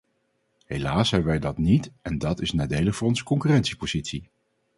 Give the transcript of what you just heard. Helaas hebben wij dat niet en dat is nadelig voor onze concurrentiepositie.